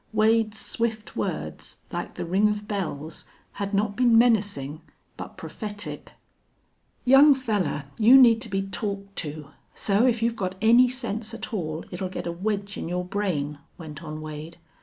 Wade's swift words, like the ring of bells, had not been menacing, but prophetic. "Young fellar, you need to be talked to, so if you've got any sense at all it'll get a wedge in your brain," went on Wade.